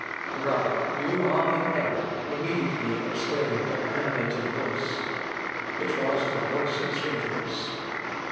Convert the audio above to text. ] "Brother, you are in error," immediately exclaimed an animated voice. It was the voice of Zuinglius.